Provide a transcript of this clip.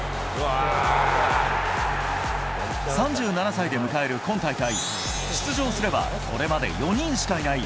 ３７歳で迎える今大会、出場すれば、これまで４人しかいない